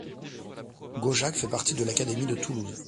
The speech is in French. Gaujac fait partie de l'académie de Toulouse.